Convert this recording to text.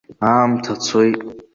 Аамҭа цоит.